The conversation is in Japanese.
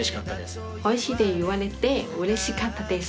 おいしいって言われてうれしかったです。